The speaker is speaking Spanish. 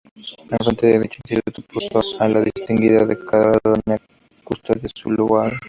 Al frente de dicho instituto puso a la distinguida educadora Doña Custodia Zuloaga.